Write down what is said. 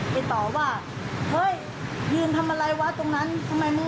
เพราะเขามาบ่อยแล้วเขาก็เป็นคนหัวร้อน